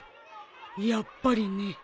やっぱりね。